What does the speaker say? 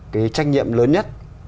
cái trách nhiệm lớn nhất